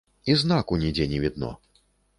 І знаку нідзе не відно.